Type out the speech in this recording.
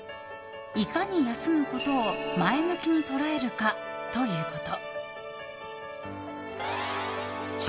いかに休むことを前向きに捉えるかということ。